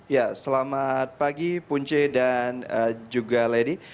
ya selamat pagi punce dan juga lady